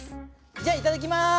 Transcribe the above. じゃあいただきます！